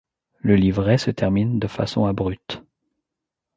Le livret se termine de façon abrupte.